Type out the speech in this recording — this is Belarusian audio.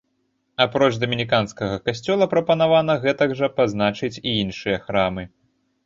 Апроч дамініканскага касцёла, прапанавана гэтак жа пазначыць і іншыя храмы.